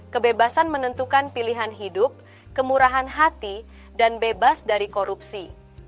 kebebasan menentukan pilihan hidup kemurahan hati dan bebas dari korupsi